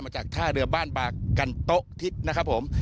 มาจากท่าเรือป้ากันโตะทิศนะครับผม